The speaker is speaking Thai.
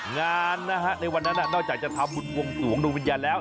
งานในวันนั้นน่ะนอกจากจะทำบุญวงสูงลูกวิญญาณแล้ว